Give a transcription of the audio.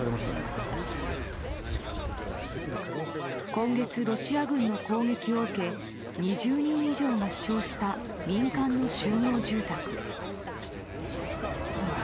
今月、ロシア軍の攻撃を受け２０人以上が死傷した民間の集合住宅。